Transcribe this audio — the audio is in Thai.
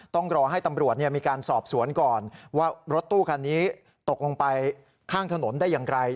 ต้องรอให้ตำรวจมีการสอบสวนก่อนว่ารถตู้คันนี้ตกลงไปข้างถนนได้อย่างไร